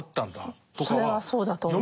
それはそうだと思います。